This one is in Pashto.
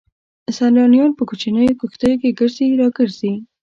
سيلانيان په کوچنيو کښتيو کې ګرځي را ګرځي.